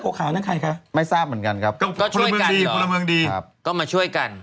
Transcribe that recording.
ก็ก็มาช่วยกัน